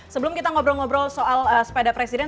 sebelum kita ngobrol ngobrol soal sepeda presiden